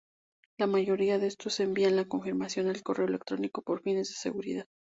La mayoría de estos envían la confirmación al correo electrónico por fines de seguridad.